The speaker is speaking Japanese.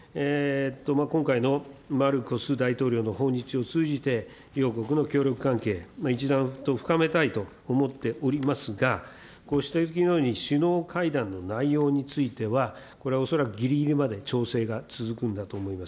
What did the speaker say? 今回のマルコス大統領の訪日を通じて、両国の協力関係、一段と深めたいと思っておりますが、ご指摘のように首脳会談の内容については、これは恐らくぎりぎりまで調整が続くんだと思います。